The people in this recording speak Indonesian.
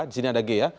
di sini ada g ya